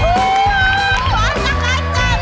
anak banteng menang